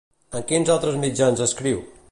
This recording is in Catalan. En quins altres mitjans escriu?